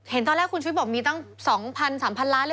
เห็นตอนแรกคุณชุดบอกมีตั้ง๒๐๐๐๓๐๐๐ล้านหรือเปล่าค่ะ